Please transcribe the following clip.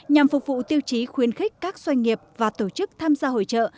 nhằm phục vụ tiêu chí khuyến khích các doanh nghiệp và tổ chức tham gia hội trợ